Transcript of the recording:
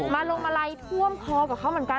ลงมาลัยท่วมคอกับเขาเหมือนกัน